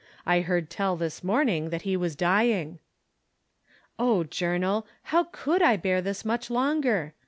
I heard tell, this morning, that he was dying." Oh, Journal, how eould I bear this much longer